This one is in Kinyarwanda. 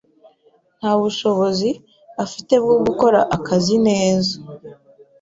Nta bushobozi afite bwo gukora akazi neza.